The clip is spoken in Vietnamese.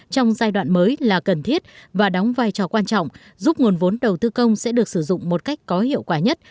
trong giai đoạn mới là cần thiết và đóng vai trò quan trọng giúp nguồn vốn đầu tư công sẽ được sử dụng một cách có hiệu quả nhất